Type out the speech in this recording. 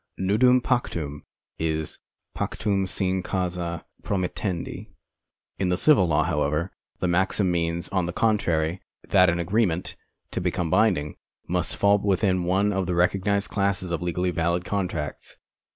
Nudum iMctum is pactum nine, causa promiilendi. In the civil law, however, the maxim means, on the contrary, that an agreement, to become binding, must fall within one of the recog nised classes of legally valid contracts.